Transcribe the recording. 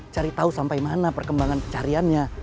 cari tahu sampai mana perkembangan pencariannya